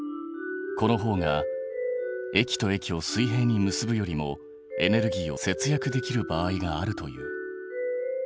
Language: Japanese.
このほうが駅と駅を水平に結ぶよりもエネルギーを節約できる場合があるという。